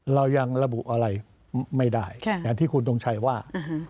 เรายังระบุอะไรไม่ได้อย่างที่คุณทงชัยว่า